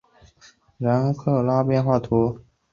然克拉人口变化图示